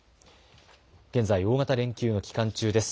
現在、大型連休の期間中です。